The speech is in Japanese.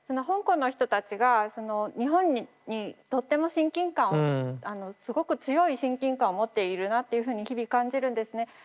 香港の人たちが日本にとっても親近感をすごく強い親近感を持っているなっていうふうに日々感じるんですね。